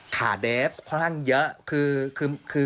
ขาเดฟอย่างก็ดี